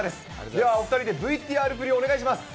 ではお２人でＶＴＲ振りをお願いします。